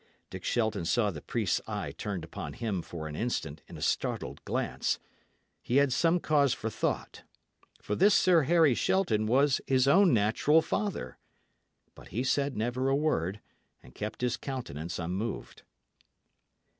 Dick Shelton saw the priest's eye turned upon him for an instant in a startled glance. He had some cause for thought; for this Sir Harry Shelton was his own natural father. But he said never a word, and kept his countenance unmoved.